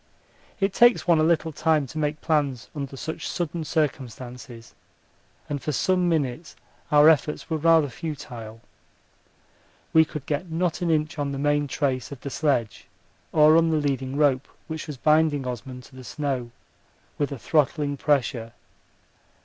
It takes one a little time to make plans under such sudden circumstances, and for some minutes our efforts were rather futile. We could get not an inch on the main trace of the sledge or on the leading rope, which was binding Osman to the snow with a throttling pressure.